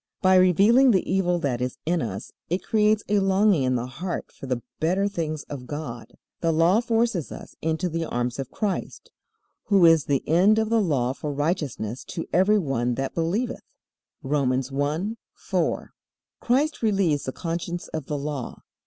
By revealing the evil that is in us it creates a longing in the heart for the better things of God. The Law forces us into the arms of Christ, "who is the end of the law for righteousness to every one that believeth." (Romans 1:4.) Christ relieves the conscience of the Law.